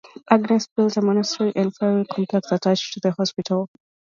Agnes built a monastery and friary complex attached to the hospital.